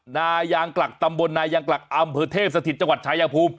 นายางกลักตำบลนายางกลักอำเภอเทพสถิตจังหวัดชายภูมิ